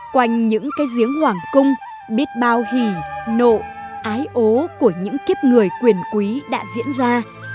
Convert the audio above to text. quanh những cái giếng hoàng cung biết bao hỉ nộ ái ố của những kiếp người quyền quý đã diễn ra